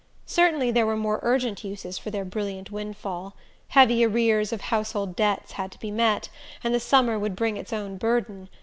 Certainly there were more urgent uses for their brilliant wind fall: heavy arrears of household debts had to be met, and the summer would bring its own burden.